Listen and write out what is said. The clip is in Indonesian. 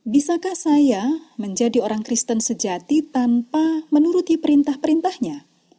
bisakah saya menjadi orang kristen sejati tanpa menuruti perintah perintahnya